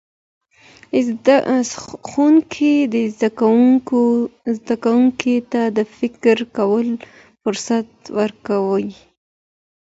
ښوونکی زدهکوونکي ته د فکر کولو فرصت ورکوي.